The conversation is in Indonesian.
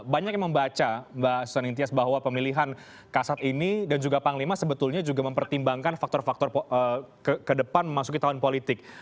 banyak yang membaca mbak susan intias bahwa pemilihan kasat ini dan juga panglima sebetulnya juga mempertimbangkan faktor faktor ke depan memasuki tahun politik